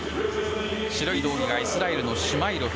白い道着がイスラエルのシュマイロフ。